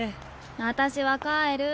私は帰る。